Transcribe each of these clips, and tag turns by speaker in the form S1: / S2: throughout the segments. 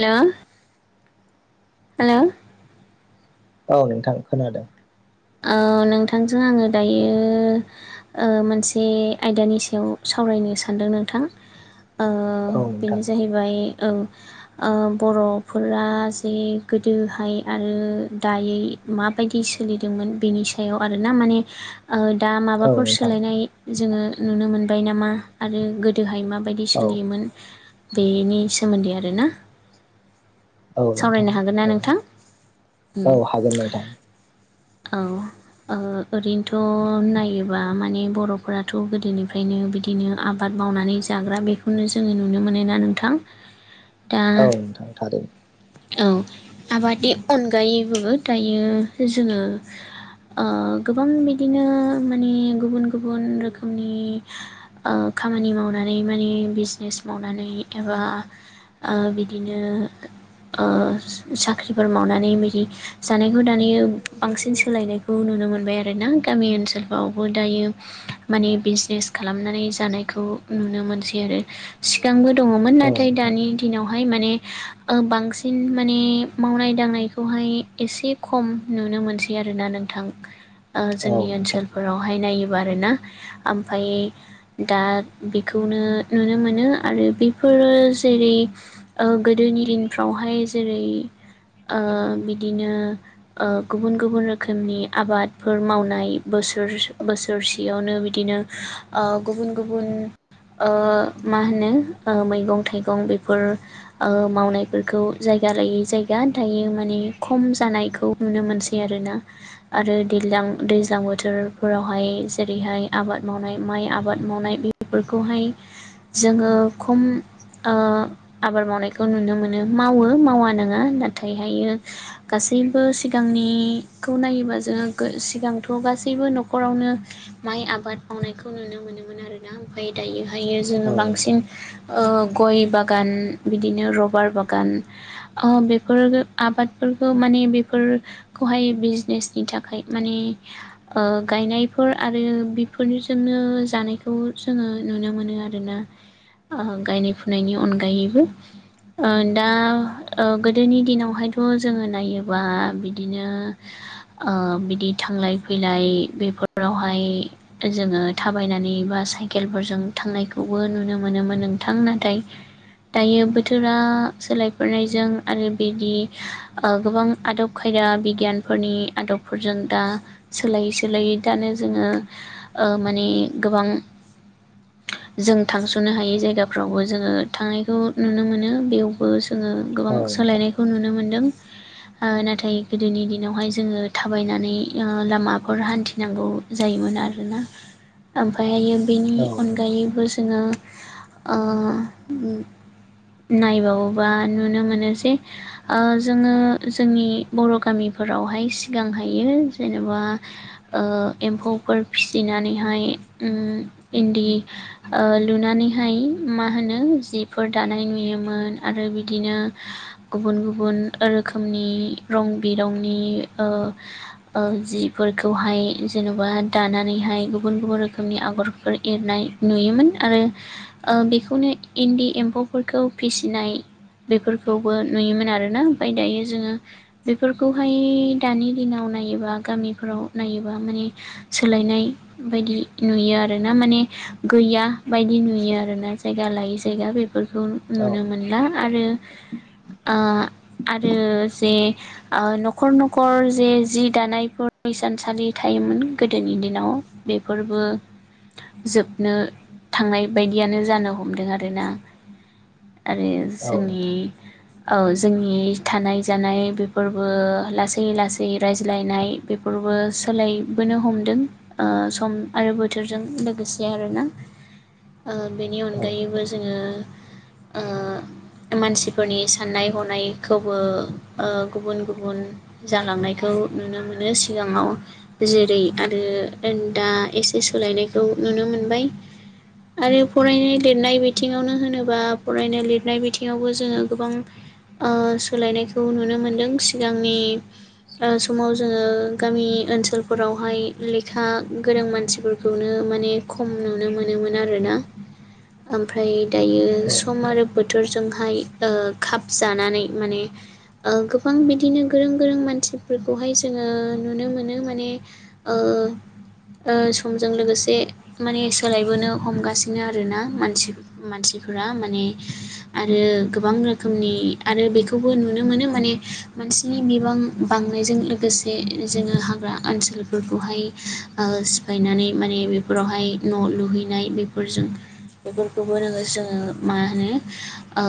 S1: हेल' hello
S2: औ नोंथां खोनादों
S1: नोंथांजों आङो दायो मोनसे आयदानि सायाव साव सावरायनो सानदों नोंथां
S2: औ नोंथां
S1: बेनो जाहैबाय औ बर'फोरा जे गोदोहाय आरो दायै माबायदि सोलिदों मोन बेनि सायाव आरोना माने दा
S2: औ
S1: माबाफोर
S2: नोंथां
S1: सोलायनाय जोङो नुनो मोनबाय नामा आरो गोदोहाय माबायदि
S2: औ
S1: सोलियोमोन बेनि सोमोन्दै आरोना
S2: औ नोंथां
S1: सावरायनो हागोन ना
S2: औ
S1: नोंथां
S2: औ हागोन नोंथां
S1: औ ओरैनोथ' नायोबा माने बर'फोराथ' गोदोनिफ्रायनो बिदिनो आबाद मावनानै जाग्रा बेखौनो जोङो नुनो मोनोना नोंथां दा
S2: औ नोंथां थारैनो
S1: औ आबादनि अनगायैबो दायो जोङो गोबां बिदिनो माने गुबुन गुबुन रोखोमनि खामानि मावनानै माने बिजनेस मावनानै एबा बिदिनो साख्रिफोर मावनानै बिदि जानायखौ दानि बांसिन सोलायनायखौ नुनो मोनबाय आरोना गामि ओनसोलफ्रावबो दायो माने बिजनेस खालामनानै जानायखौ नुनो मोनसै आरो सिगांबो दङमोन
S2: औ
S1: नाथाय
S2: नोंथां
S1: दानि दिनाव हाय माने बांसिन माने मावनाय दांनायखौहाय एसे खम नुनो मोनसै आरोना नोंथां जोंनि
S2: औ नोंथां
S1: ओनसोलफोरावहाय नाय आरोना ओमफ्राय दा बेखौनो नुनो मोनो आरो बेफोर फोर जेरै गोदोनि दिनफ्रावहाय जेरै बिदिनो गुबुन गु गुबुन रोखोमनि आबादफोर मावनाय बोसोर बोसोरसेयावनो बिदिनो गुबुन गुबुन मा होनो मैगं थाइगं बेफोर मावनायफोरखौ जायो जायगा लायै जायगा दायो माने खम जानायखौ नुनो मोनसै आरोना आरो दैलां दैज्लां बोथोरफोरावहाय जेरैहाय आबाद मावनाय आबाद मावनाय बेफोरखौहाय जोङो खम आबाद मावनायखौ नुनो मोनो मावो मावा नङा नाथायहायो गासैबो गासैबो सिगांनि खौ नायोबा जोङो सिगांथ' गासैबो न'खरावनो माइ आबाद मावनायखौ नु नुनो मोनोमोन आरोना ओमफ्राय दायोहायो
S2: औ
S1: जोङो
S2: नोंथां
S1: बांसिन गय बागान बिदिनो रबार बागान बेफोर आबादफोर फोरखौ माने बेफोर खौहाय बिजनेसनि थाखाय माने ओ गायनायफोर आरो बेफोरनिजोंनो जानायखौ जोङो नुनो मोनो आरोना गायनाय फुनायनि अनगायैबो ओ दा गोदोनि दिनावहायथ' जोङो नायोबा बिदि बिदिनो बिदि थांलाय फैलाय बेफोरावहाय जोङो थाबायनानै बा साइकेलफोरजों थांनायखौबो नुनो मोनोमोन नोंथां नाथाय दायो बोथोरा सोलायबोनायजों आरो बिदि गोबां आदब खायदा बिगियानफोरनि आदबफोरजों दा सोलायै सोलायै दानो जोङो माने गोबां जों थांस'नो हायै जायगाफ्रावबो जोङो थांनायखौ नुनो मोनो बेयावबो जोङो गोबां
S2: औ नोंथां औ नोंथां
S1: सोलायनायखौ नुनो मोनदों आ ना नाथाय गोदोनि दिनावहाय जोङो थाबायनानै ओ लामाफोर हान्थिनांगौ जायोमोन आरोना ओमफायो बेनि
S2: औ नोंथां
S1: अनगायैबो जोङो ओ उम नायबावोबा नुनो मोनो जे ओ जोङो जोंनि बर' गामिफोरावहाय सिगांहायो जेनेबा ओ एम्फौफोर फिसिनाय नानैहाय इन्दि लुनानैहाय मा होनो जि फोर दानाय नुयोमोन आरो बिदिनो गुबुन गुबुन रोखोमनि रं बिरंनि ओ जिफोरखौहाय जेन'बा दानानैहाय गुबुन गुबुन रोखोमनि आगरफोर एरनाय नुयोमोन आरो ओ बेखौनो इनदि एम्फौफोरखौ फिसिनाय बेफोरखौबो नुयोमोन आरोना ओमफाय दायो जोङो बेफोरखौहाय दानि दिनाव नायोबा गामिफोराव नायोबा माने सोलायनाय बायदि नुयो आरोना माने गैया बायदि नुयो आरोना जायगा लायै जायगा बे बेफोरखौ
S2: औ
S1: नुनो
S2: नोंथां
S1: मोनला आरो आरो जे ओ न'खर न'खर जे जि दानायफोर हिसानसालि थायोमोन गोदोनि दिनाव बेफोरबो जोबनो थांनाय बायदियानो जानो हमदों आरोना आरो
S2: औ
S1: जोंनि
S2: नोंथां
S1: औ जोंनि थानाय जानाय बे फोरबो लासै लासै रायज्लायनाय बेफोरबो सोलायबोनो हमदों ओ सम आरो बोथोरजों लोगोसे आरो आरोना ओ बेनि अनगायैबो
S2: औ
S1: जोङो ओ मानसिफोरनि साननाय हनायखौबो गुबुन गुबुन जालांनायखौ नुनो मोनो सिगाङाव जेरै आरो दा एसे सोलायनायखौ नुनो मोनबाय आरो फरायनाय लिरनाय बिथिङावनो होनोबा फरायनाय लिरनाय बिथिङावबो जोङो गोबां ओ सोलायनायखौ नुनो मोनदों सिगांनि ओ समाव जोङो गामि ओनसोलफोरावहाय लेखा गोरों मानसिफोरखौनो माने खम नुनो मोनोमोन आरोना ओमफ्राय दायो सम
S2: नोंथां
S1: आरो बोथोरजोंहाय ओ खाब जानानै माने गोबां बिदिनो गोरों गोरों मानसिफोरखौहाय जोङो नुनो मोनो माने ओ ओ समजों लोगोसे माने सोलायबोनो हमगासिनो आरोना मानसि मानसि माने आरो गोबां रोखोमनि आरो बेखौबो नुनो मोनो माने मानसिनि बिबां बांनायजों लोगोसे जोङो हाग्रा ओनसोलफोरखौहाय ओ सिफायनानै माने बेफोरावहाय न' लुहैनाय बेफोरजों बेफोरखौबो जोङो मा होनो ओ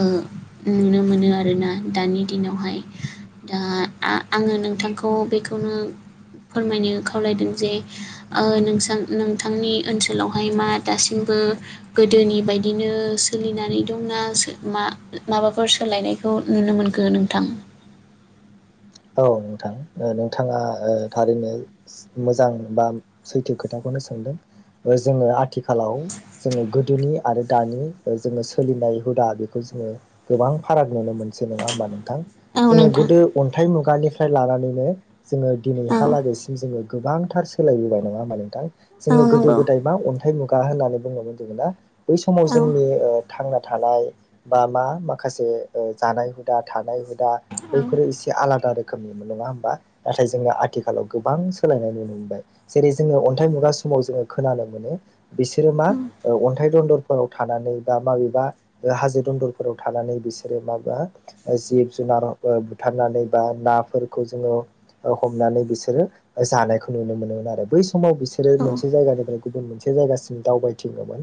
S1: नुनो मोनो आरोना दानि नि दिनावहाय दा आङो नोंथांखौ बेखौनो फोरमायनो खावलायदों जे ओ नोंसा नोंथांनि ओनसोलावहाय मा दासिमबो गोदोनि बायदिनो सोलिनानै दंना मा माबाफोर सोलायनायखौ नुनो मोनखो नोंथां
S2: औ नोंथां नोंथाङा ओ थारैनो मोजां बा सैथो खोथाखौनो सोंदों जोङो आथिखालाव जोङो गोदोनि आरो दानि जोङो सोलिनाय हुदा बेखौ जोङो गोबां फाराग नुनो मोनसै नङा होमबा नोंथां
S1: औ
S2: जोङो
S1: नोंथां
S2: गोदो निफ्राय लानानैनो जोङो
S1: औ
S2: दिनैहालागैसिम जोङो गोबांथार सोलायबोबाय नङा होमबा नोंथां
S1: औ नंगौ
S2: जोङो गोदो गोदाय मा अन्थाइ मुगा होननानै बुङोमोन जोङोना बै समाव
S1: औ उम
S2: जोंनि थांना थानाय बा मा माखासे जानाय हुदा थानाय हुदा
S1: औ
S2: बैफोरो एसे आलदा रोखोमनि नङा होनबा नाथाय जोङो आथिखालाव गोबां सोलायनाय नुनो मोनबाय जेरै जोङो अन्थाय मुगा नि समाव जोङो खोनानो मोनो बिसोरो मा अन्थाइ दन्दर आव थानानै बा माबेबा हाजो दन्दराव थानानै बिसोरो माबा जिब जुना- र बुथारनानै बा नाफोरखौ जोङो हमनानै बिसोरो जानायखौ नुनो मोनोमोन आरो बै समाव समाव बिसोरो मोनसे जायगानिफ्राय गुबुन मोनसे जायगासिम दावबायथिङोमोन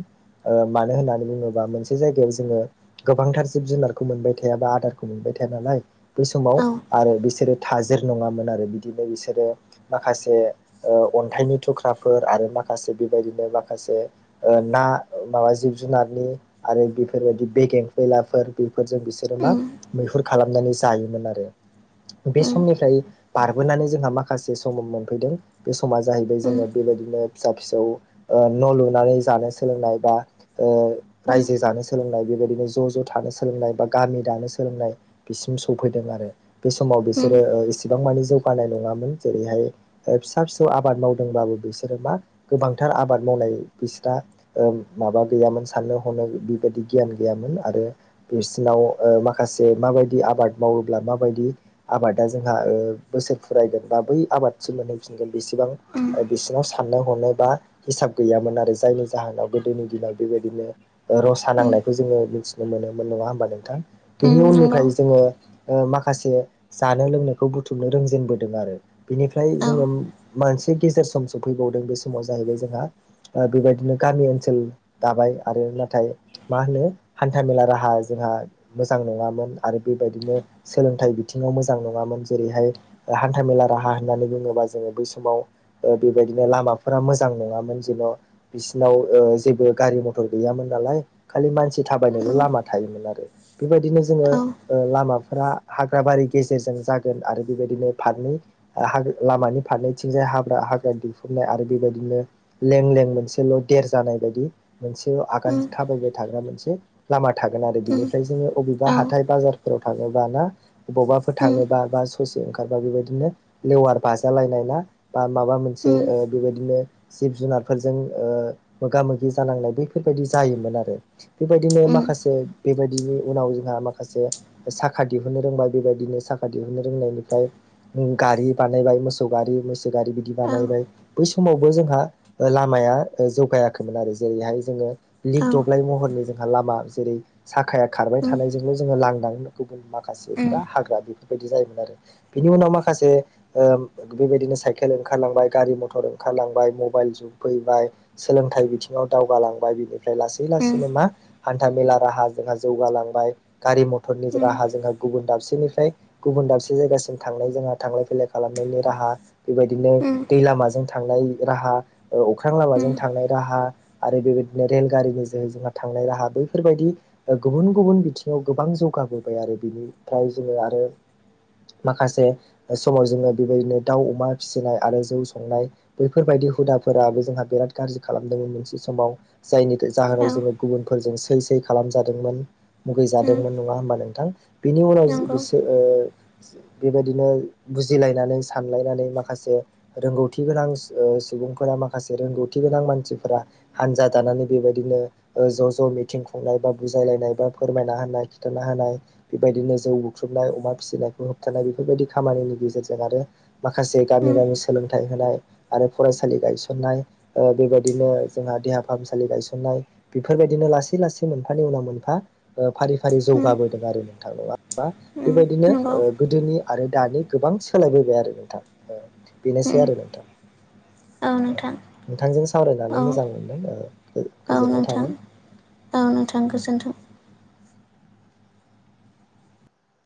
S2: ओ मानो होननानै बुङोबा मोनसे जायगायाव जोङो गोबां गोबांथार जिब जुनारखौ मोनबाय थाया बा आदारखौ मोनबाय थाया नालाय बै समाव आरो बिसोरो थाजिर नङामोन आरो बिदिनो बिसोरो माखासे अन्थाइनि थुख्राफोर आरो मा खासे बायदिनो माखासे ओ ना मा जिब जुनारनि आरो बेफोरबाय बेगें बेलाफोर बेफोरजों बिसोरो मा
S1: उम उम
S2: मैहुर खालामनानै जायोमोन आरो बे
S1: उम
S2: समनिफ्राय बारबोनानै जोंहा माखासे सम मोनफैदों बे सम समा जाहैबाय जोङो बेबायदिनो फिसा फिसौ ओ न' लुनानै जानो सोलोंनाय बा
S1: उम
S2: रायजो जानो सोलोंनाय बेबायदिनो ज' ज' थानो सोलोंनाय बा गामि दानो सोलोंनाय बिस सफैदों आरो बे समाव
S1: उम
S2: बिसोरो एसेबां मानि जौगानाय नङामोन जेरैहाय फिसा फिसौ आबाद मावदोंबाबो बिसोरो मा गोबांथार आबाद माव मावनाय बिस्रा माबा गैयामोन साननो हनो बेबायदि गियान गैयामोन आरो बिसिरनाव माखासे माबायदि आबाद मावोब्ला माबायदि आबादा जोंहा ओ बोसोर फिरायगोन एबा बै आबादसिम मोनहैफिनगोन बेसिबां
S1: उम उम
S2: बिसिना साननाय हनाय बा हिसाब गैयामोन आरो जायनि जाहोनाव गोदोनि दिनाव बेबायदिनो रसा
S1: उम
S2: नांनायखौ जोङो मिथिनो मोनोमोन नङा होमबा नोंथां बेनि
S1: नंगौ
S2: उननिफ्राय जोङो माखासे जानो लोंनोखौ बुथुमनो रोंजेनबोदों आरो बिनिफ्राय
S1: औ
S2: जोङो मोनसे गेजेर सम सफैबावदों बे समाव जाहैबाय जोंहा बेबायदिनो गामि ओनसोल दाबाय आरो नाथाय मा होनो हान्थामेला राहा जोंहा मोजां नङामोन आरो बेबायदिनो सोलोंथाइ बिथिङाव मोजां नङामोन जेरैहाय हान्था मेला राहा होननानै बुङोबा जोङो बै समाव बेबादिनो लामाफोरा मोजां‌ नङामोन जेन' बिसिनाव जोङो गारि मटर गैयामोन नालाय खालि मानसि
S1: औ
S2: थाबायनायल' लामा थायोमोन आरो बेबायदिनो ज
S1: औ
S2: ओ लामा फोरा हाग्रा बारि गेजेरजों जागोन आरो बेबायदिनो फारनै लामानि फारनैथिंजाय हाग्रा हाग्रा दुफुबननाय आरो बेबायदिनो लें लें मोनसेल' देर जानाय बायदि मोनसे आगान
S1: उम
S2: थाबायबाय थाग्रा मोनसे लामा थागोन आरो
S1: उम
S2: बिनिफ्राय जोङो अबेबा
S1: औ
S2: हा बाजारफोराव थाङोब्ला ना‌ बबावबाफोर
S1: उम
S2: थाङोब्ला बा ससे ओंखारबा बेबायदिनो लेवार बाजालायनाय ना बा माबा मोनसे
S1: उम
S2: ओ बेबायदिनो जिब जुनारफोरजों मोगा मोगि जानांनाय बेैफोरबायदि जायोमोन आरो बेबायदिनो
S1: उम औ औ उम
S2: माखासे बेबायदिनि उनाव जोंहा माखासे माखासे साखा दिहुननो रोंबाय बेबायदिनो साखा दिहुननो रोंनायनिफ्राय गारि बानायबाय मोसौ गारि मैसो गारि बिदि बानायबाय बै स मावबो जोंहा लामाया जौगायाखैमोन आरो जेरैहाय जोङो लिक दब्लाय महरनि जों जोंहा लामा जेरै साखाया खारबाय थानाय जोङो लांदां गुबुन माखासेफोरा हाग्रा बेफोरबायदि जायोमोन आरो बिनि उनाव माखासे ओ बेबायदिनो साइकेल ओंखारलांबाय गारि मथर ओंखारलांबाय मबाइल जुग फैबाय सोलों थाइ बिथिङाव दावगालांबाय बिदिनो ओफ्राय लासै लासैनो मा हान्था मेला राहा जोंहा जौगालांबाय गारि मथरनि राहा जोंहा गुबुन दाबसे सेनिफ्राय गुबुन दाबसे जायगासिम थांनाय जोंहा थांलाय फैलाय खालामनायनि राहा बेबायदिनो
S1: उम
S2: दै लामाजों थांनाय राहा अख्रां लामाजों
S1: उम
S2: थांनाय राहा आरो बेबायदिनो रेलगारिनि जोै जोंहा थांनाय राहा बैफोरबायदि गुबुन गुबुन बिथिं बियाव गोबां जौगाबोबाय आरो बिनिफ्राय जोङो आरो माखासे समाव जोङो बेबायदिनो दाउ अमा फिसिनाय आरो जौ संनाय बैफोरबायदि हुदाफोराबो जोंहा बिराद गाज्रि खालामदोंमोन मोनसे समाव जायनि
S1: औ
S2: जाहोनाव जोङो गुबुनफोरजों सै सै खालामजादोंमोन मुगै
S1: उम
S2: जादोंमोन नङा होमबा नोंथां बिनि उनाव
S1: नंगौ
S2: बिसोर बेबायदिनो बुजिलायनानै सानलायनानै माखासे रोंगौथि गोनां सुबुंफोरा माखासे रोंगौथि गोनां मानसिफोरा हानजा दानानै बेबायदिनो ज ज मिथि नाय बा बुाजायलायनाय बा फोरमायना होनाय खिन्थाना होनाय बेबायदिनो जौ बुख्रुबनाय अमा फिसिनायखौ होबथानाय बेफोरबायदि खामानिनि गेजेरजों आरो माखासे गामि
S1: उम
S2: गामि सोलोंथाइ होनाय आरो फरायसालि गायसनाय बेबायदिनो जोंहा देहा फाहामसालि गायसननाय बेफोर बेबायदिनो लासै लासै मोनफानि उनाव मोनफा फारि फारि
S1: उम
S2: जौगाबोदों आरो नोंथां नङा होनबा
S1: उम
S2: बेबायदिनो
S1: नंगौ
S2: गोदोनि आरो दानि गोबां सोलायबोबाय आरो नोंथां बेनोसै
S1: उम
S2: आरो नोंथां
S1: औ नोंथां
S2: नोंथांजों
S1: औ
S2: सावरायनानै मोजां मोनदों
S1: औ
S2: गोजोननाय
S1: नोंथां
S2: थाबाय
S1: औ नोंथां गोजोन्थों